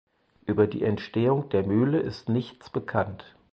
Über die Entstehung der Mühle ist nichts bekannt.